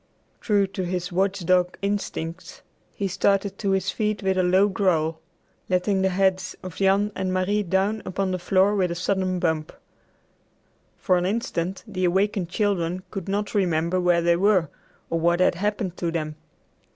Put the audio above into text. True to his watchdog instincts, he started to his feet with a low growl, letting the heads of Jan and Marie down upon the floor with a sudden bump. For an instant the awakened children could not remember where they were or what had happened to them.